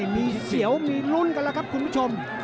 มีเสียวมีลุ้นกันแล้วครับคุณผู้ชม